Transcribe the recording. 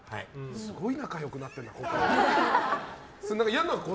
すごい仲良くなってる、ここ。